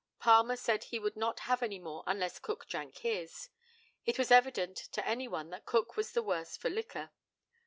Palmer said he would not have any more unless Cook drank his. It was evident to any one that Cook was the worse for liquor.